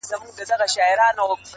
• د ژوندون کلونه باد غوندي چلیږي -